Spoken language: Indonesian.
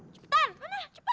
cepetan mana cepet